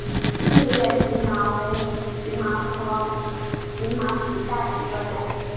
裂叶荨麻为荨麻科荨麻属下的一个种。